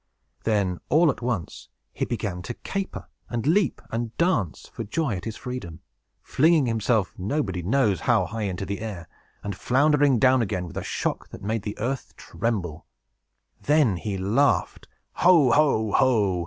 Then, all at once, he began to caper, and leap, and dance, for joy at his freedom; flinging himself nobody knows how high into the air, and floundering down again with a shock that made the earth tremble. Then he laughed Ho! ho!